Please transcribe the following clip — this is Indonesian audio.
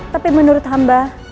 tapi menurut hamba